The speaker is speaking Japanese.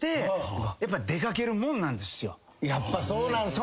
やっぱそうなんですね。